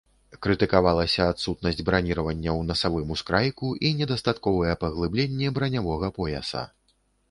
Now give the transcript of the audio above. Крытыкаваліся адсутнасць браніравання ў насавым ускрайку і недастатковае паглыбленне бранявога пояса.